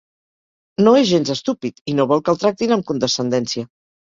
No és gens estúpid, i no vol que el tractin amb condescendència.